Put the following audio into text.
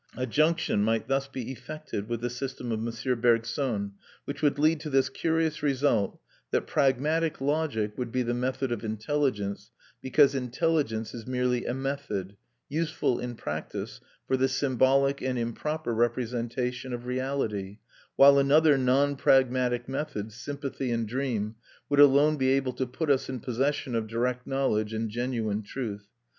A junction might thus be effected with the system of M. Bergson, which would lead to this curious result: that pragmatic logic would be the method of intelligence, because intelligence is merely a method, useful in practice, for the symbolic and improper representation of reality; while another non pragmatic method sympathy and dream would alone be able to put us in possession of direct knowledge and genuine truth.